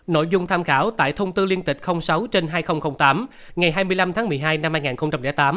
nội dung tham khảo tại thông tư liên tịch sáu trên hai nghìn tám ngày hai mươi năm tháng một mươi hai năm hai nghìn tám